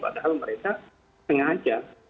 padahal mereka sengaja